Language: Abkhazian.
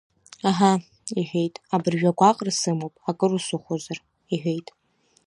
Аҳа, — иҳәеит, абыржәы агәаҟра сымоуп, акыр усыхәозар, — иҳәеит.